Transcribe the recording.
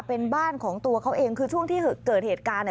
เป็นบ้านของตัวเขาเองคือช่วงที่เกิดเหตุการณ์เนี่ย